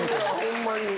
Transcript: ホンマに。